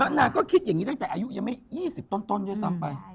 นางก็คิดอย่างนี้ตั้งแต่อายุยังไม่๒๐ต้นด้วยซ้ำไป